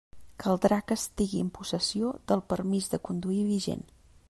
Caldrà que estigui en possessió del permís de conduir vigent.